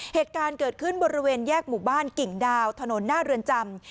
เหตุการณ์เกิดขึ้นบริเวณแยกหมู่บ้านกิ่งดาวถนนหน้าเรือนจำ